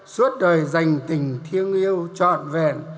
suốt đời dành tình thiêng yêu trọn vẹn